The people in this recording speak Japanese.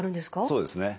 そうですね。